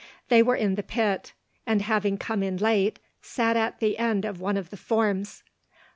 They were in the pit ; and having come in late, sat at the end of one of the forms.